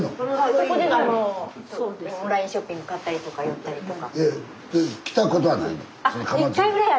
そこでオンラインショッピングで買ったりとか寄ったりとか。